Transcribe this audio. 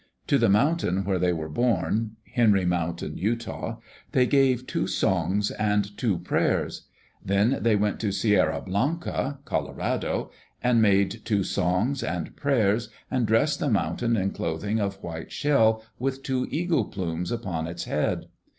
To the mountain where they were born (Henry Mountain, Utah), they gave two songs and two prayers. Then they went to Sierra Blanca (Colorado) and made two songs and prayers and dressed the mountain in clothing of white shell with two eagle plumes upon its head.